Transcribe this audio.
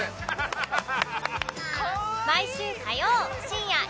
ハハハハ！